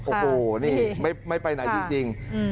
โอ้โหนี่ไม่ไปไหนจริง